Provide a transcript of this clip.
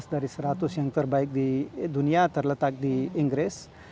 lima belas dari seratus yang terbaik di dunia terletak di inggris